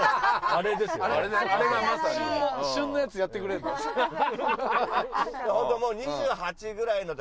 あれがまさに旬のやつやってくれんの？